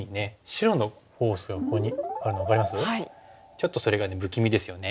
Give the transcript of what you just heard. ちょっとそれが不気味ですよね。